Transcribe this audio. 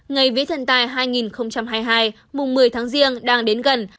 ngày vía thần tài hai nghìn hai mươi hai mùng một mươi tháng riêng đang đến gần